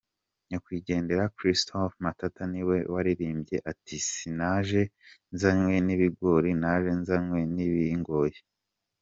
Nyakwigendera Christophe Mata niwe wabirirmbye ati :"sinaje nzanywe nibigori ,naje nzanywe n’ibingoye.